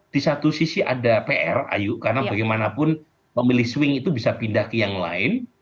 di satu sisi ada pr ayu karena bagaimanapun pemilih swing itu bisa pindah ke yang lain